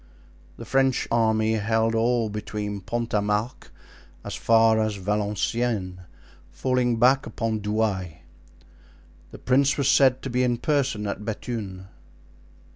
The French army held all between Pont a Marc as far as Valenciennes, falling back upon Douai. The prince was said to be in person at Bethune.